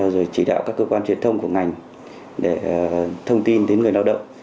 rồi chỉ đạo các cơ quan truyền thông của ngành để thông tin đến người lao động